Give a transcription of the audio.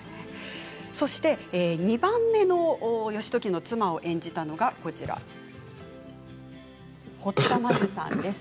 そして２番目の義時の妻を演じたのがこちら堀田真由さんです。